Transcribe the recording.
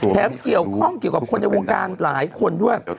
เกี่ยวข้องเกี่ยวกับคนในวงการหลายคนด้วย